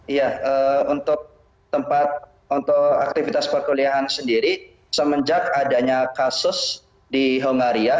iya untuk aktivitas perkuliahan sendiri semenjak adanya kasus di hongkaria